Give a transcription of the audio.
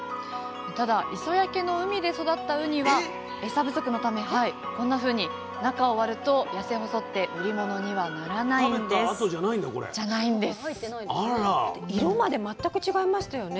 ただ磯焼けの海で育ったウニはエサ不足のためこんなふうに中を割ると痩せ細って売り物にはならないんです色まで全く違いましたよね。